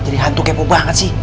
jadi hantu kepo banget sih